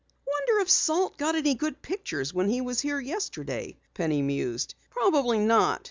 "Wonder if Salt got any good pictures when he was here yesterday?" Penny mused. "Probably not.